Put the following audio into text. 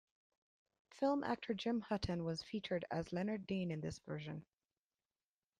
Film actor Jim Hutton was featured as Leonard Dean in this version.